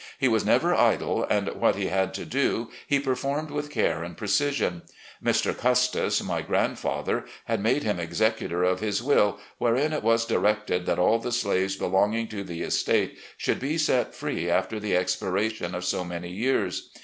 He was never idle, and what he had to do he performed with care and precision. Mr. Custis, my grandfather, had. made him executor of his will, wherein it was directed that all the slaves belonging to the estate should be set free after the expiration of so many years.